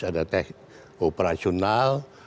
ada tim operasional